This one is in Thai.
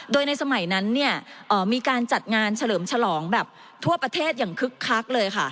โดยในสมัยนั้นเนี่ยมีการจัดงานเฉลิมฉลองแบบทั่วประเทศอย่างคึกคักเลยค่ะ